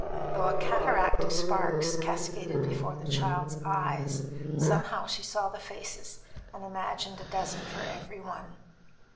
Though a cataract of sparks cascaded before the child's eyes, somehow she saw the faces and imagined a dozen for every one.